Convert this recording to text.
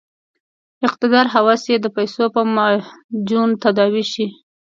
اقتدار هوس یې د پیسو په معجون تداوي شي.